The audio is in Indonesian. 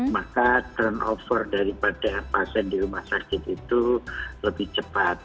maka turnover daripada pasien di rumah sakit itu lebih cepat